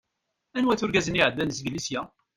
Anwa-t urgaz-nni i iɛeddan zgelli sya?